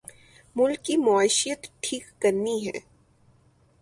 ملک کی معیشت ٹھیک کرنی ہے